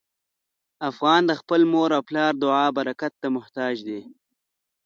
افغان د خپل مور او پلار د دعا برکت ته محتاج دی.